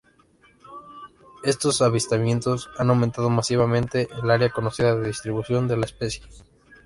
Estos avistamientos han aumentado masivamente el área conocida de distribución de la especie.